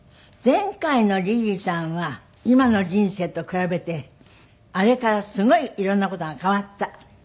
前回のリリーさんは今の人生と比べてあれからすごい色んな事が変わった。